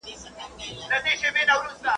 نې پخپله خوري، نې بل چا ته ورکوي.